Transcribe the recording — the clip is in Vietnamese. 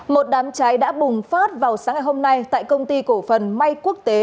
một đám cháy đã bùng phát vào sáng ngày hôm nay tại công ty cổ phần may quốc tế